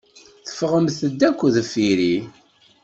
Teffɣem-d akk deffir-i.